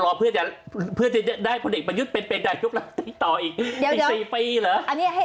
เรารอเพื่อจะได้คนเอกประยุทธ์เป็นไปได้ยกเราติดต่ออีก๔ปีเหรอ